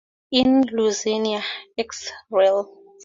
In Louisiana ex rel.